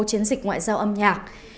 chiến dịch ngoại giao âm nhạc